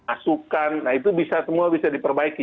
asukan nah itu bisa semua bisa diperbaiki